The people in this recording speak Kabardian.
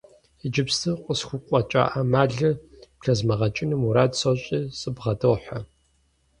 Иджыпсту къысхукъуэкӀа Ӏэмалыр блэзмыгъэкӀыну мурад сощӀри сыбгъэдохьэ.